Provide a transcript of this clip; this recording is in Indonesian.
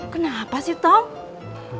kenapa sih tom